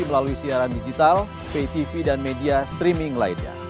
melalui siaran digital pay tv dan media streaming lainnya